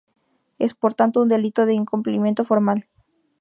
Es, por tanto, un delito de incumplimiento formal.